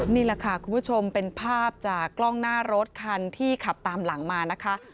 นี่แหละค่ะคุณผู้ชมเป็นภาพจากกล้องหน้ารถคันที่ขับตามหลังมานะคะ